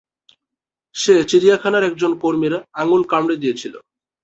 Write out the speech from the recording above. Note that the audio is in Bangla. সে চিড়িয়াখানার একজন কর্মীর আঙ্গুল কামড়ে দিয়েছিল।